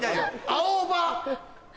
青葉。